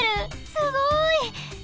すごい！